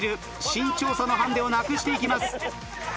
身長差のハンデをなくしていきます。